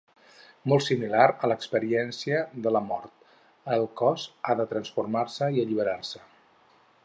Molt similar a l'experiència de la mort, el cos ha de transformar-se i alliberar-se.